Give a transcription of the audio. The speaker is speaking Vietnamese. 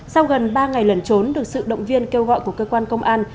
sau gần ba ngày lẩn trốn được sự động viên kêu gọi của cơ quan công an